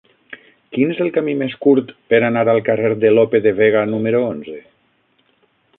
Quin és el camí més curt per anar al carrer de Lope de Vega número onze?